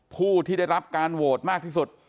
ผู้ที่ได้รับการโหวตมากที่สุด